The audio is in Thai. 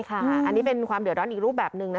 อันนี้เป็นความเดือดร้อนอีกรูปแบบหนึ่งนะ